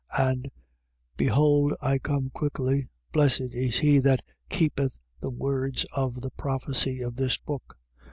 22:7. And: Behold I come quickly. Blessed is he that keepeth the words of the prophecy of this book.